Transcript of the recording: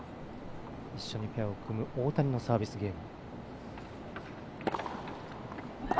一緒にペアを組む大谷のサービスゲーム。